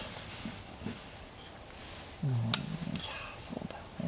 うんいやそうだよね